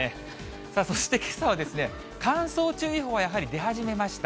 さあ、そしてけさは、乾燥注意報がやはり出始めました。